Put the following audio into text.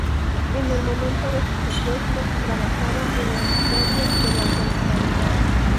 En el momento de su secuestro, trabajaba en la Vicaría de la Solidaridad.